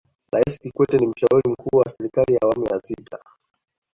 raisi kikwete ni mshauri mkuu wa serikali ya awamu ya sita